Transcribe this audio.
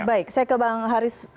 baik saya ke bang haris